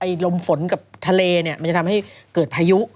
ลมฝนกับทะเลเนี่ยมันจะทำให้เกิดพายุ